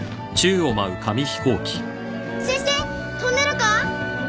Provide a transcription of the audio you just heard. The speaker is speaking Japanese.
先生飛んでるか。